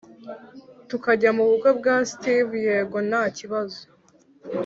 tukajya mubukwe bwa steve, yego ntakibazo